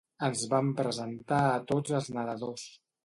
Ens van presentar a tots els nedadors.